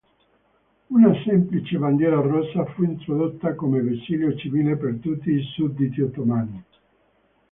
Una semplice bandiera rossa fu introdotta come vessillo civile per tutti i sudditi ottomani.